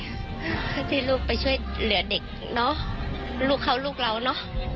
เพื่อที่ลูกไปช่วยเหลือเด็กเนอะลูกเขาลูกเราเนอะ